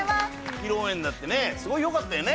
披露宴だってねすごいよかったよね。